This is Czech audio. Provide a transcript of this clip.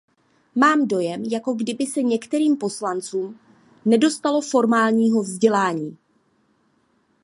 Mám dojem, jako kdyby se některým poslancům nedostalo formálního vzdělání.